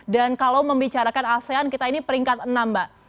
dan kalau membicarakan asean kita ini peringkat enam mbak